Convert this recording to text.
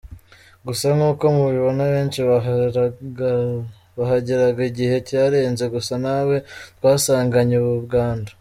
Gusa nk’uko mubibona abenshi bahageraga igihe cyarenze, gusa ntawe twasanganye ubu bwandu.